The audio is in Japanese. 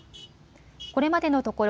これまでのところ